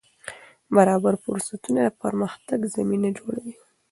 برابر فرصتونه د پرمختګ زمینه جوړوي.